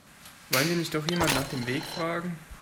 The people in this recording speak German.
Wollen wir nicht doch jemanden nach dem Weg fragen?